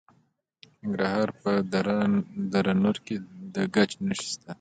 د ننګرهار په دره نور کې د ګچ نښې شته.